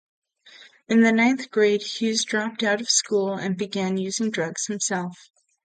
In the ninth grade Hughes dropped out of school and began using drugs himself.